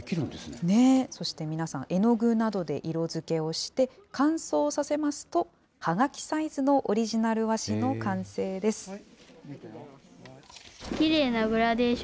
そして皆さん、絵の具などで色づけをして、乾燥させますと、はがきサイズのオリジナル和紙の完成です。